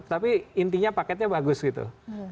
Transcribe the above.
tapi intinya paketnya bagus gitu